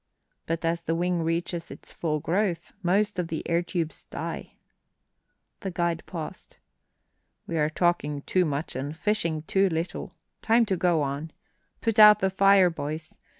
But as the wing reaches its full growth most of the air tubes die." The guide paused. "We are talking too much and fishing too little. Time to go on. Put out the fire, boys.